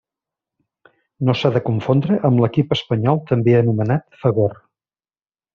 No s'ha de confondre amb l'equip espanyol també anomenat Fagor.